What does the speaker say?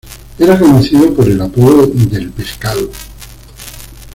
Era conocido por el apodo del "Pescado".